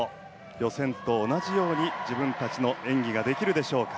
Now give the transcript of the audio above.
予選と同じように自分たちの演技ができるでしょうか。